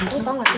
lo tau ga sih